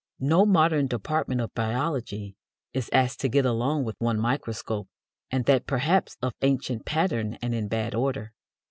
No modern department of biology is asked to get along with one microscope, and that, perhaps, of ancient pattern and in bad order.